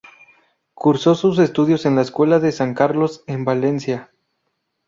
Cursó sus estudios en la Escuela de San Carlos en Valencia.